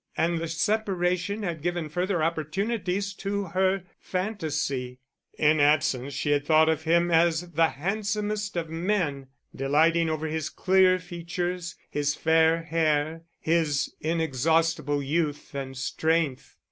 And the separation had given further opportunities to her fantasy. In absence she had thought of him as the handsomest of men, delighting over his clear features, his fair hair, his inexhaustible youth and strength.